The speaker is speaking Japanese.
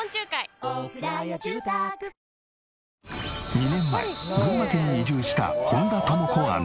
２年前群馬県に移住した本田朋子アナ。